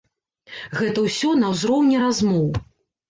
Гэта ўсё на ўзроўні размоў.